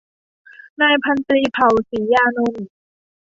นายพันตรี เผ่า ศรียานนท์